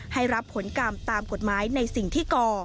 ให้รับผลกรรมตามกฎหมายในสิ่งที่ก่อ